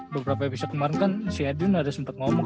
beberapa episode kemarin kan si edwin ada sempet ngomong